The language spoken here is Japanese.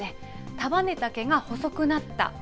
束ねた毛が細くなった。